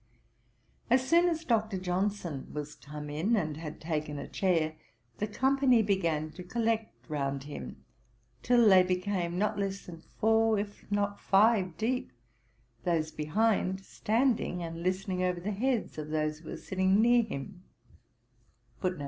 As soon as Dr. Johnson was come in and had taken a chair, the company began to collect round him, till they became not less than four, if not five, deep; those behind standing, and listening over the heads of those that were sitting near him.